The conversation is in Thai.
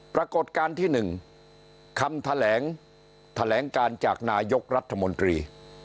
ปรากฏการณ์ที่๑คำแถลงการจากนายกรัฐมนตรี